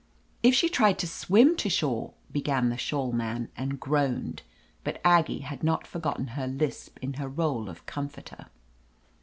"If she tried to swim to shore," began the Shawl Man, and groaned But Aggie had not forgotten her lisp in her r6Ie of comforter.